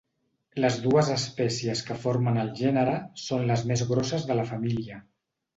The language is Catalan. Les dues espècies que formen el gènere són les més grosses de la família.